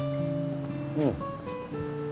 うん。